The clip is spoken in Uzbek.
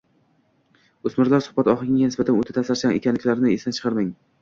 O‘smirlar suhbat ohangiga nisbatan o‘ta ta’sirchan ekanliklarini esdan chiqarmang.